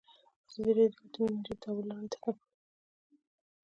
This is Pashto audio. ازادي راډیو د اټومي انرژي د تحول لړۍ تعقیب کړې.